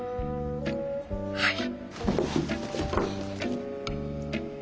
はい。